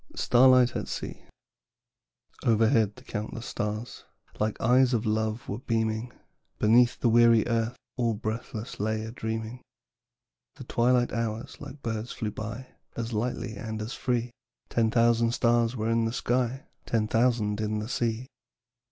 STARLIGHT AT SEA. Overhead the countless stars Like eyes of love were beaming, Underneath the weary Earth All breathless lay a dreaming. The twilight hours like birds flew by, As lightly and as free; Ten thousand stars were in the sky, Ten thousand in the sea.